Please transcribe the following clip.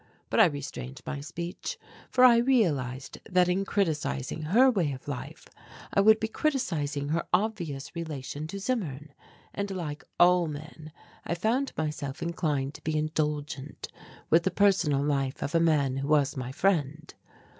But I restrained my speech, for I realized that in criticizing her way of life I would be criticizing her obvious relation to Zimmern, and like all men I found myself inclined to be indulgent with the personal life of a man who was my friend.